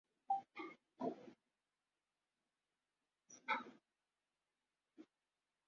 Scholz pia amesifu umoja wa nchi za magharibi ambao anasema Putin hakutarajia